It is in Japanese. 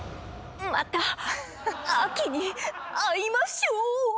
また秋に会いましょう！